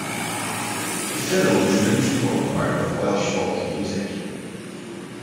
The fiddle is an integral part of Welsh folk music.